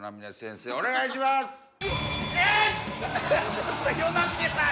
ちょっと與那嶺さん。